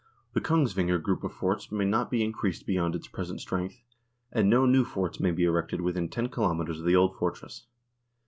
The Kongsvinger group of forts may not be increased beyond its present strength, and no new forts may be erected within ten kilometres of the old fortress.